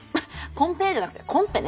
コンペじゃなくてコンペね。